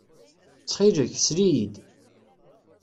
Ttxil-k, sel-iyi-d.